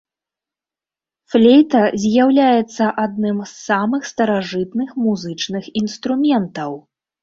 Флейта з'яўляецца адным з самых старажытных музычных інструментаў.